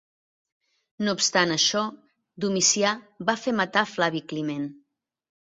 No obstant això, Domicià va fer matar Flavi Climent.